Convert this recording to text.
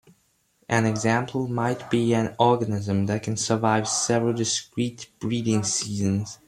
An example might be an organism that can survive several discrete breeding seasons.